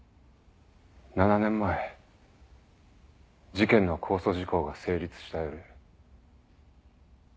７年前事件の公訴時効が成立した夜。